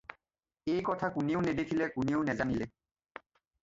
এই কথা কোনেও নেদেখিলে, কোনেও নেজানিলে।